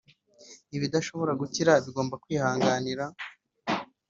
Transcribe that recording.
ibidashobora gukira, bigomba kwihanganira.